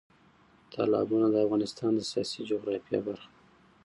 تالابونه د افغانستان د سیاسي جغرافیه برخه ده.